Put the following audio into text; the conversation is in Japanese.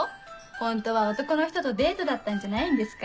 本当は男の人とデートだったんじゃないんですか？